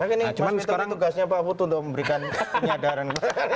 ini tugasnya pak putu untuk memberikan penyadaran